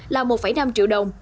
là một năm triệu đồng